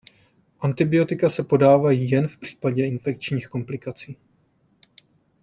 Antibiotika se podávají jen v případě infekčních komplikací.